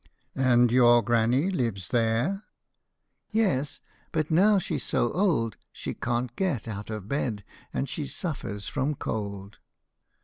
" And your granny lives there ?"" Yes ; but now she 's so old She can't get out of bed and she suffers from cold."